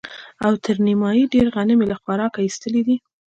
او تر نيمايي ډېر غنم يې له خوراکه ايستلي دي.